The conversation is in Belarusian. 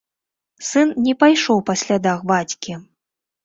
Сын не пайшоў па слядах бацькі.